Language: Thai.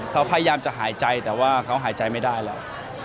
เขาพยายามจะหายใจแต่ว่าเขาหายใจไม่ได้แล้ว